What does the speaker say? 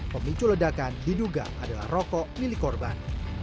pemicu ledakan diduga adalah rokok milik korban